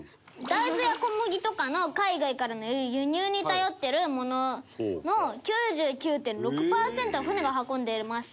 大豆や小麦とかの海外からの輸入に頼ってるものの９９．６パーセント船が運んでます。